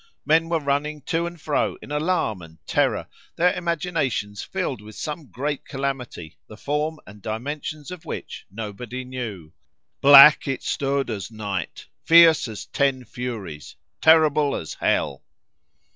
Men were running to and fro in alarm and terror, their imaginations filled with some great calamity, the form and dimensions of which nobody knew: "Black it stood as night Fierce as ten furies terrible as hell."